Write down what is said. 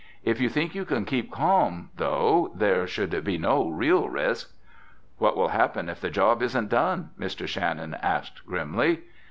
If you think you can keep calm, though, there should be no real risk." "What will happen if the job isn't done?" Mr. Shannon asked grimly.